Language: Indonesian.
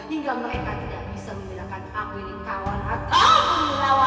hingga mereka tidak bisa menggunakan aku ini kawan atau penyelawan